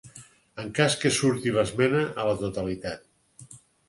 En cas que surti l’esmena a la totalitat.